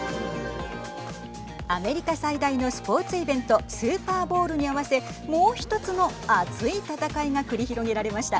アメリカ最大のスポーツイベントスーパーボウルに合わせもう１つの熱い戦いが繰り広げられました。